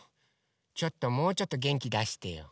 ちょっともうちょっとげんきだしてよ。